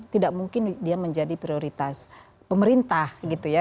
tidak mungkin dia menjadi prioritas pemerintah gitu ya